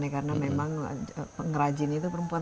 karena memang pengrajin itu perempuan